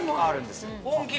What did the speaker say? あるんですよ。